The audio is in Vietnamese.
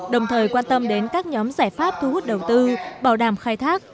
đồng thời quan tâm đến các nhóm giải pháp thu hút đầu tư bảo đảm khai thác